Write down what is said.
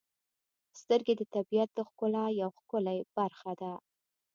• سترګې د طبیعت د ښکلا یو ښکلی برخه ده.